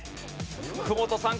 福本さん